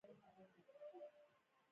نوې غوښتنه باید د اعتراض بله سوژه وګرځي.